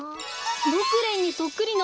モクレンにそっくりの。